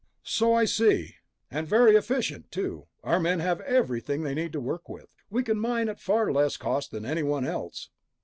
"So I see." "And very efficient, too. Our men have everything they need to work with. We can mine at far less cost than anyone else."